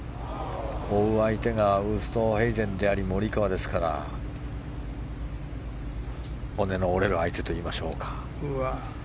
追う相手がウーストヘイゼンでありモリカワですから骨の折れる相手といいましょうか。